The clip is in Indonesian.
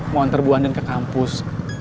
mau antar bu andden ke kampus